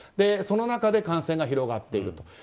その中で感染が広がっていると。